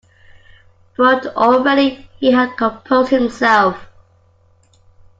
But already he had composed himself.